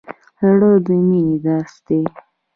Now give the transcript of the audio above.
زړه د مینې درس دی.